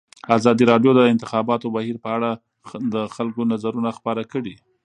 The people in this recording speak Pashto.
ازادي راډیو د د انتخاباتو بهیر په اړه د خلکو نظرونه خپاره کړي.